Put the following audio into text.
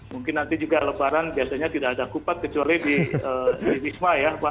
mungkin nanti juga lebaran biasanya tidak ada kupat kecuali di wisma ya pak